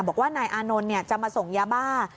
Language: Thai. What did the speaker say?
บอกว่านายอานนท์จะมาส่งยาบ้า